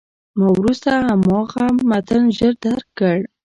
ما وروسته هماغه متن ژر درک کړ.